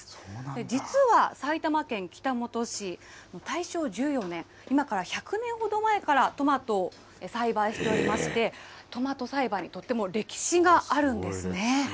実は埼玉県北本市、大正１４年、今から１００年ほど前からトマトを栽培しておりまして、トマト栽培、とっても歴史があるんですね。